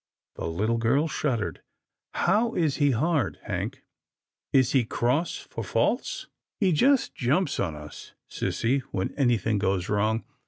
The little girl shuddered. " How is he hard. Hank — is he cross for faults ?"" He just jumps on us, sissy, when anything goes wrong.